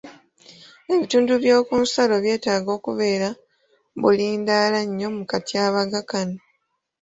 Ebitundu by'okunsalo byetaaga okubeera bulindaala nnyo mu katyabaga kano.